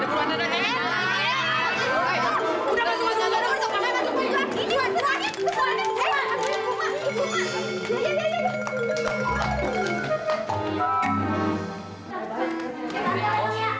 udah masuk masuk masuk